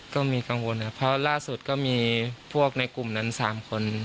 ก็มีกังวลครับเพราะล่าสุดก็มีพวกในกลุ่มนั้น๓คน